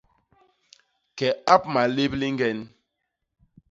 Ke ap malép liñgen.